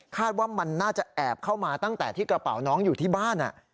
ว่ามันน่าจะแอบเข้ามาตั้งแต่ที่กระเป๋าน้องอยู่ที่บ้าน